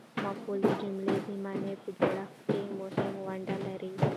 مفعول د جملې د مانا په جوړښت کښي مهمه ونډه لري.